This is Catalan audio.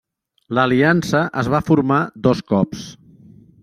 L'Aliança es va formar dos cops.